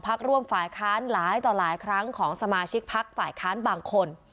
ร่วมฝ่ายค้านหลายต่อหลายครั้งของสมาชิกพักฝ่ายค้านบางคน